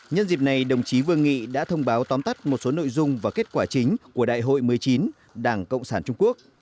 nhân dịp này đồng chí vương nghị đã thông báo tóm tắt một số nội dung và kết quả chính của đại hội một mươi chín đảng cộng sản trung quốc